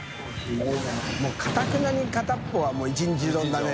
發かたくなに片っぽは一日丼だね。